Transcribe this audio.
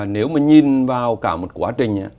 nếu mà nhìn vào cả một quá trình